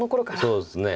そうですね。